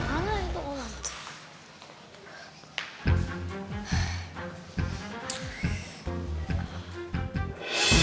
mana itu orang tuh